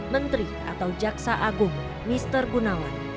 menteri atau jaksa agung mister gunawan